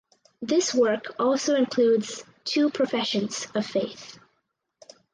This work also includes two professions of faith.